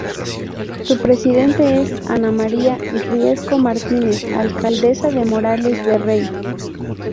Su presidente es Ana María Riesco Martínez, alcaldesa de Morales de Rey.